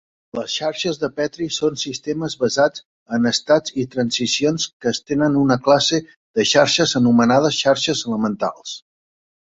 Les xarxes de Petri són sistemes basats en estats i transicions que estenen una classe de xarxes anomenades xarxes elementals.